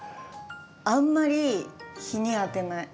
あんまり日に当てない。